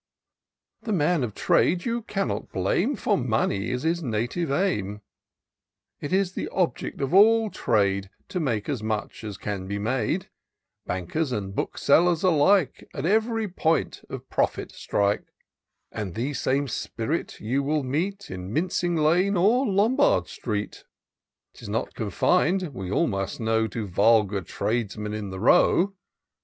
^* The man of trade you cannot blame, For money is his native aim; It is the object of all trade, To make as much as can be made : Bankers and Booksellers alike, At ev'ry point of profit strike ; And the same spirit you will meet In Mincinff Lane or Lombard Street. 'Tis not confin'd, we all must know. To vulgar tradesmen in the Row.